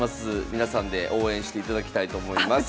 皆さんで応援していただきたいと思います。